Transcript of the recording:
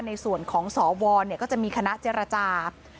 ในส่วนของสวก็จะมีคณะเจรจา